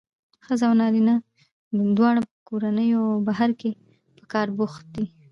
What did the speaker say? ښځینه او نارینه دواړه په کورونو او بهر کې په کار بوخت دي.